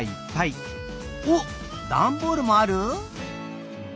おっダンボールもある？